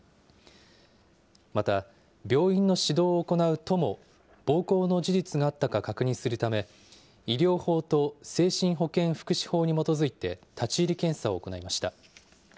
また、病院の指導を行うとも、暴行の事実があったか確認するため、医療法と精神保健福祉法に基づいて、立ち入り検査を行いました。